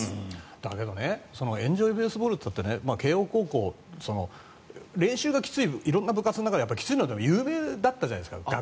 だけどエンジョイ・ベースボールといったって慶応高校、練習がきつい色んな部活の中できついのでも有名だったじゃないですか。